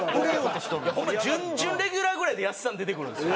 ホンマに準々レギュラーぐらいでやっさん出てくるんですよ。